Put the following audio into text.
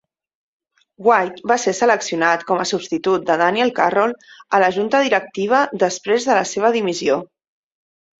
White va ser seleccionat com a substitut de Daniel Carroll a la junta directiva després de la seva dimissió.